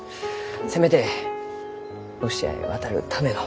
せめてロシアへ渡るための金だけでも。